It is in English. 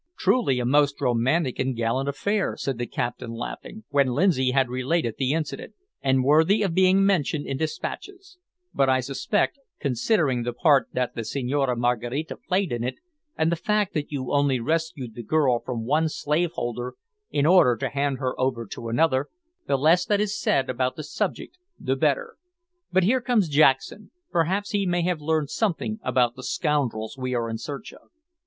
"Truly, a most romantic and gallant affair," said the captain, laughing, when Lindsay had related the incident, "and worthy of being mentioned in despatches; but I suspect, considering the part that the Senhorina Maraquita played in it and the fact that you only rescued the girl from one slaveholder in order to hand her over to another, the less that is said about the subject the better! But here comes Jackson. Perhaps he may have learned something about the scoundrels we are in search of."